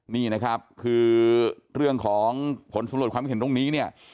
นี่นะครับคือเรื่องของผลสำรวจความคิดเห็นตรงนี้เนี่ย